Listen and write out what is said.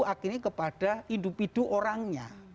akhirnya kepada individu orangnya